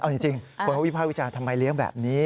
เอาจริงคนเขาวิภาควิจารณ์ทำไมเลี้ยงแบบนี้